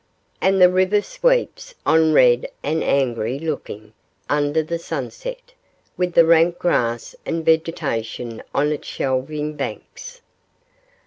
And the river sweeps on red and angry looking under the sunset, with the rank grass and vegetation on its shelving banks.